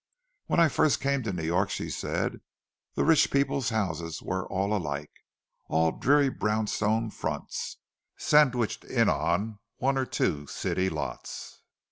"When I first came to New York," she said, "the rich people's houses were all alike—all dreary brownstone fronts, sandwiched in on one or two city lots.